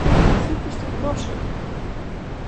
Скільки ж тут грошей?